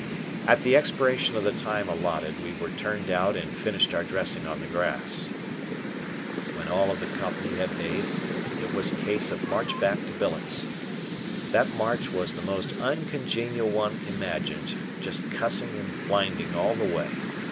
At the expiration of the time allotted we were turned out and finished our dressing on the grass. When all of the company had bathed it was a case of march back to billets. That march was the most uncongenial one imagined, just cussing and blinding all the way.